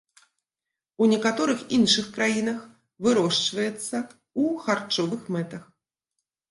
У некаторых іншых краінах вырошчваецца ў харчовых мэтах.